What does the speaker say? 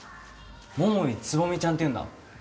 桃井蕾未ちゃんっていうんだ